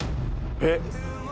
えっ？